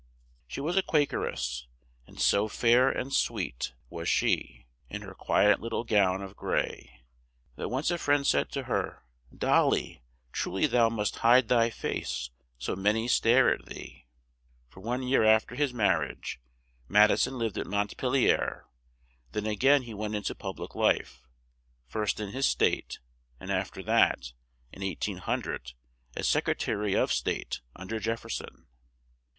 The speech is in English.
She was a Quak er ess, and so fair and sweet was she, in her qui et lit tle gown of gray, that once a friend said to her: "Dol ly, tru ly thou must hide thy face, so ma ny stare at thee." [Illustration: MRS. DOLLY PAYNE MADISON.] For one year af ter his mar riage, Mad i son lived at Mont pel ier; then a gain he went in to pub lic life, first in his State, and af ter that, in 1800, as Sec re ta ry of State un der Jef fer son.